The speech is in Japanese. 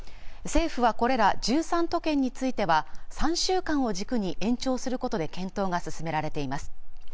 政府はこれら１３都県については３週間を軸に延長することで検討が進められています